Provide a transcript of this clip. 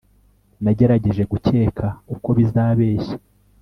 nagerageje gukeka uko bizabeshya